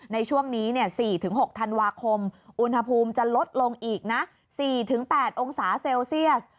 ในช่วงนี้๔๖ธันวาคมอุณหภูมิจะลดลงอีกนะ๔๘องศาเซลเซียส